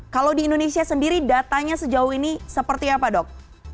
kalau di indonesia sendiri datanya sejauh ini seperti apa dok